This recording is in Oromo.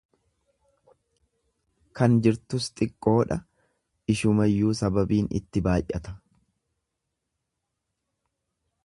Kan jirtus xiqqoodha, ishumayyuu sababiin itti baay'ata.